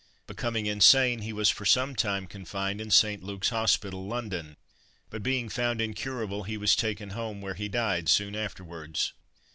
Becoming insane, he was for some time confined in St. Luke's Hospital, London; but being found incurable he was taken home, where he died soon afterwards.